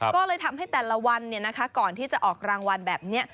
ก็เลยทำให้แต่ละวันก่อนที่จะออกรางวัลแบบนี้